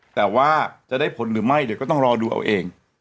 แต่ว่าจะได้ผลหรือไม่เดี๋ยวก็ต้องรอดูเอาเอง